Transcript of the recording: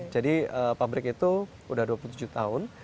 jadi pabrik itu udah dua puluh tujuh tahun